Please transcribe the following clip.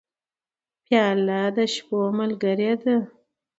پیاله د شپو ملګرې ده.